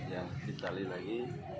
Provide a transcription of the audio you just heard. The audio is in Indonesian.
ya ditali lagi